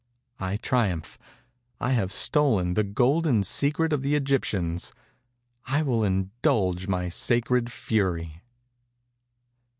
I triumph. I have stolen the golden secret of the Egyptians. I will indulge my sacred fury.